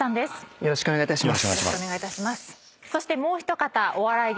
よろしくお願いします。